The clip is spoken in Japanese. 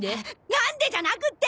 「なんで？」じゃなくって！